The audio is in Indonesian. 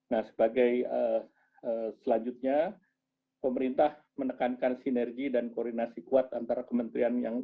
nah sebagai selanjutnya pemerintah menekankan sinergi dan koordinasi kuat antara kementerian yang